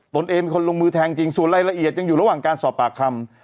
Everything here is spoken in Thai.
ตนเองเป็นคนลงมือแทงจริงส่วนรายละเอียดยังอยู่ระหว่างการสอบปากคำ